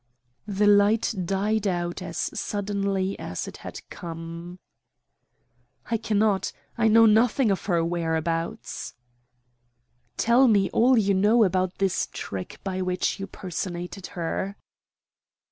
The light died out as suddenly as it had come. "I cannot. I know nothing of her whereabouts." "Tell me all you know about this trick by which you personated her."